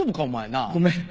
ごめん。